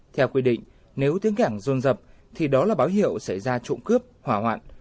theo quy định nếu tiếng cảnh rôn rập thì đó là báo hiệu sẽ ra trụng cướp hỏa hoạn